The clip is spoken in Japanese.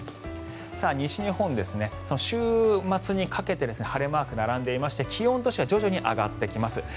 西日本、週末にかけて晴れマーク並んでいまして気温としては徐々に上がってきます。